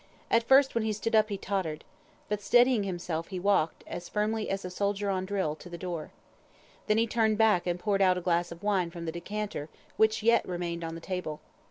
At first when he stood up, he tottered. But steadying himself, he walked, as firmly as a soldier on drill, to the door. Then he turned back and poured out a glass of wine from the decanter which yet remained on the table.